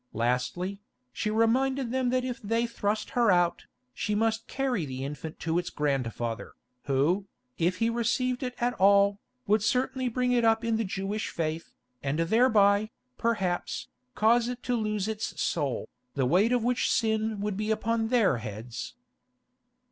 Lastly, she reminded them that if they thrust her out, she must carry the infant to its grandfather, who, if he received it at all, would certainly bring it up in the Jewish faith, and thereby, perhaps, cause it to lose its soul, the weight of which sin would be upon their heads.